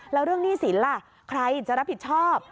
แล้วเรื่องหนี้สินล่ะใครจะรับผิดชอบ